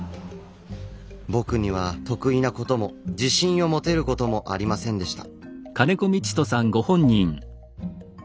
僕には得意なことも自信を持てることもありませんでした。